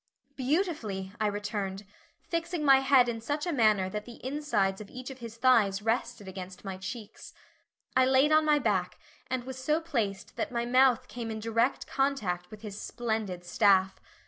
"Beautifully," I returned, fixing my head in such a manner that the insides of each of his thighs rested against my cheeks. I laid on my back and was so placed that my mouth came in direct contact with his splendid staff.